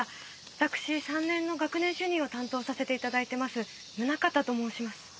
私３年の学年主任を担当させて頂いてます宗方と申します。